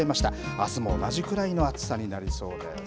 あすも同じくらいの暑さになりそうです。